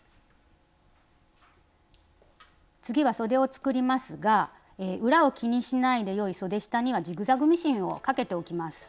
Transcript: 次はそでを作りますが裏を気にしないでよいそで下にはジグザグミシンをかけておきます。